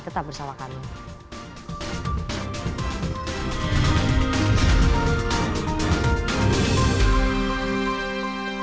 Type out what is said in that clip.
tetap bersama kami